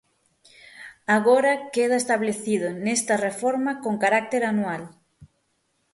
Agora queda establecido nesta reforma con carácter anual.